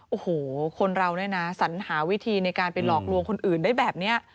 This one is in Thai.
โอ้โหคนเราเนี่ยนะสัญหาวิธีในการไปหลอกลวงคนอื่นได้แบบนี้